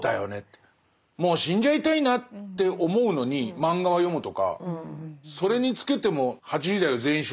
もう死んじゃいたいなって思うのに漫画は読むとかそれにつけても「８時だョ！